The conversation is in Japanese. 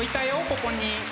ここに！